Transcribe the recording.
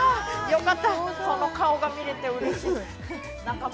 よかった、その顔が見れてうれしい。